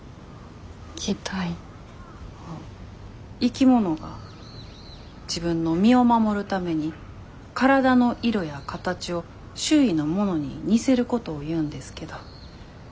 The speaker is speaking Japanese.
生き物が自分の身を守るために体の色や形を周囲のものに似せることを言うんですけど。